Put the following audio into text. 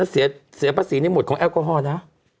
เศียบศีลในหมวดของแอลกอโฮนะ